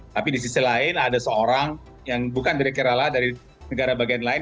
tapi di sisi lain ada seorang yang bukan direkturallah dari negara bagian lain